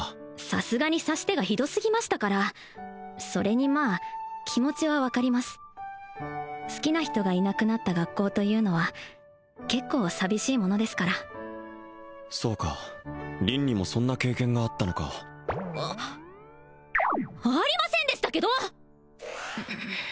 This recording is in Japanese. さすがに指し手がひどすぎましたからそれにまあ気持ちは分かります好きな人がいなくなった学校というのは結構寂しいものですからそうか凛にもそんな経験があったのかあありませんでしたけど！